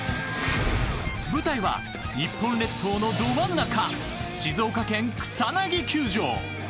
舞台は日本列島のど真ん中静岡県、草薙球場。